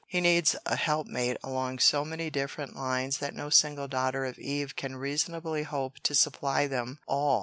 He needs a helpmate along so many different lines that no single daughter of Eve can reasonably hope to supply them all.